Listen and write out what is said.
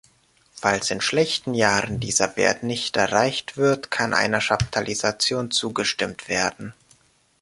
Falls in schlechten Jahren dieser Wert nicht erreicht wird, kann einer Chaptalisation zugestimmt werden.